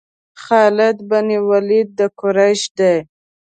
خالد بن ولید د قریش دی.